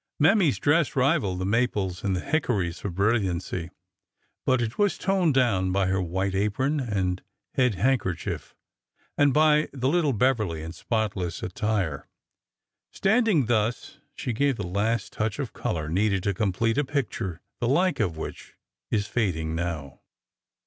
Mammy's dress rivaled the maples and the hickories for brilliancy, but it was toned down by her white apron and head handkerchief, and by the little Beverly in spotless at tire. Standing thus, she gave the last touch of color needed to complete a picture the like of which is fading now.